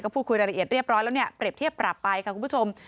พูดคุยรายละเอียดเรียบร้อยแล้วเนี่ยเปรียบเทียบปรับไปค่ะคุณผู้ชม